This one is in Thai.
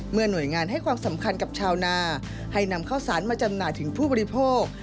หน่วยงานให้ความสำคัญกับชาวนาให้นำข้าวสารมาจำหน่ายถึงผู้บริโภค